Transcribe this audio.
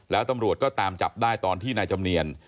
แล้วตำรวจก็ตามจับได้ตอนที่นายจำเนียน